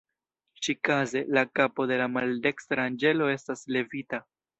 Ĉi-kaze, la kapo de la maldekstra anĝelo estas levita.